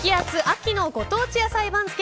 秋のご当地野菜番付